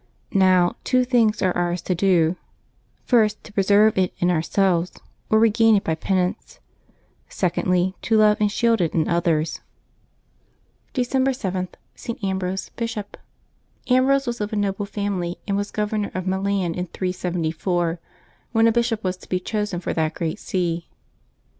Now, two things are ours to do: first, to preserve it in ourselves, or regain it by penance; secondly, to love and shield it in others. 374 LIVES OF THE SAINTS [Dbcbmbes 8 December 7.— ST. AMBROSE, Bishop. HMBEOSE was of a noble family, and was governor of Milan in 374, when a bishop was to be chosen for that great see.